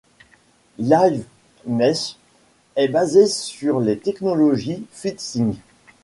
Live Mesh est basé sur les technologies FeedSync.